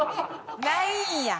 ないんや。